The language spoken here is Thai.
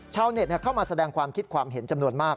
ชาวเน็ตเข้ามาแสดงความคิดความเห็นจำนวนมาก